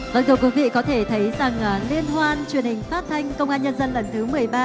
vâng thưa quý vị có thể thấy rằng liên hoan truyền hình phát thanh công an nhân dân lần thứ một mươi ba